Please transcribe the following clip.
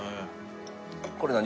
これ何？